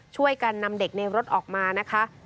ช่วยกันนำเด็กในรถออกมานะคะ